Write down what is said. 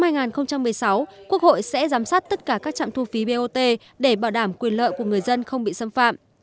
năm hai nghìn một mươi sáu quốc hội sẽ giám sát tất cả các trạm thu phí bot để bảo đảm quyền lợi của người dân không bị xâm phạm